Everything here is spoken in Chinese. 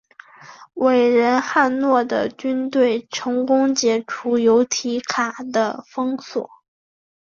伟人汉诺的军队成功解除由提卡的封锁。